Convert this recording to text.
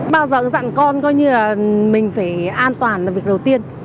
bao giờ dặn con coi như là mình phải an toàn là việc đầu tiên